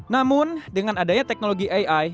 namun dengan adanya teknologi ai